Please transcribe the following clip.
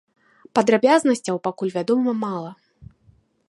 Падрабязнасцяў пакуль вядома мала.